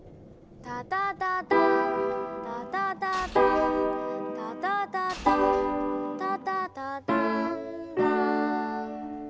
「タタタターン」「タタタターンタタタターン」「タタタターンターン」